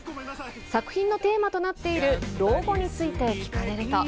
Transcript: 作品のテーマとなっている、老後について聞かれると。